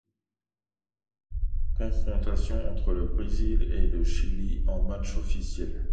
Confrontations entre le Brésil et le Chili en matchs officiels.